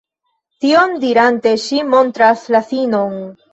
Tion dirante ŝi montras la sinon.